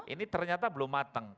ini ternyata belum matang